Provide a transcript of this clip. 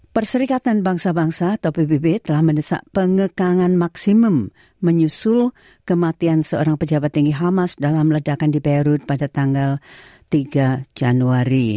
perserikatan bangsa bangsa atau pbb telah mendesak pengekangan maksimum menyusul kematian seorang pejabat tinggi hamas dalam ledakan di beirut pada tanggal tiga januari